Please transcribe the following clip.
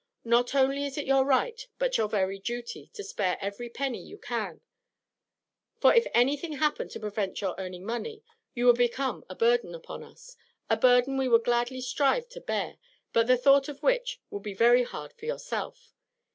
Not only is it your right, but your very duty, to spare every penny you can; for, if anything happened to prevent your earning money, you would become a burden upon us a burden we would gladly strive to bear, but the thought of which would be very hard for yourself.